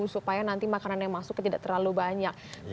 supaya nanti makanan yang masuknya tidak terlalu banyak